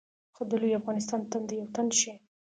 خو د لوی افغانستان تن دې یو تن شي.